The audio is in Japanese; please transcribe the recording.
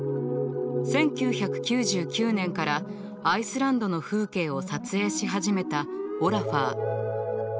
１９９９年からアイスランドの風景を撮影し始めたオラファー。